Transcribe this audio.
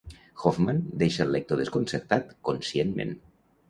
Hoffman deixa el lector desconcertat conscientment.